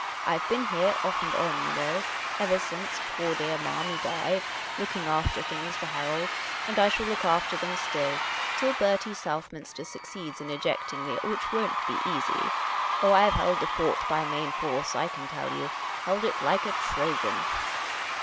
I 've been here, off and on, you know, ever since poor dear Marmy died, looking after things for Harold ; and I .shall look after them .still, till Bertie Southminster succeeds in ejecting me, which won't be easy. Oh, I 've held the fort by main force, I can tell you ; held it like a Trojan.